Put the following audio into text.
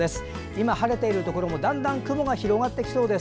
今、晴れているところもだんだん雲が広がってきそうです。